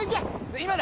今だ！